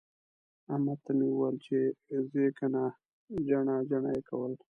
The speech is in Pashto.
احمد ته مې وويل چې ځې که نه؟ جڼه جڼه يې کول.